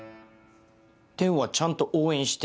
てんはちゃんと応援して。